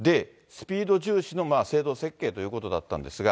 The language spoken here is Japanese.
スピード重視の制度設計ということだったんですが。